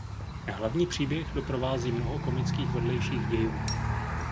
Hlavní příběh doprovází mnoho komických vedlejších dějů.